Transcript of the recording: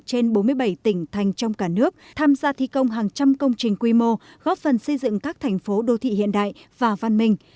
trên bốn mươi bảy tỉnh thành trong cả nước tham gia thi công hàng trăm công trình quy mô góp phần xây dựng các thành phố đô thị hiện đại và văn minh